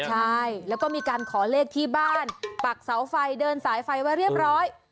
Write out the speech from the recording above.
ใช่แล้วก็มีการขอเลขที่บ้านปักเสาไฟเดินสายไฟไว้เรียบร้อย